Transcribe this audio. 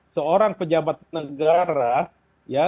seorang pejabat negara